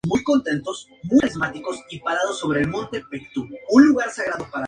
En años recientes, varios grupos supuestamente buscaron restablecer la República de Minerva.